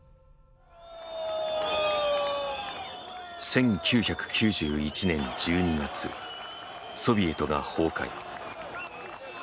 １９９１年１２月ソビエトが崩壊。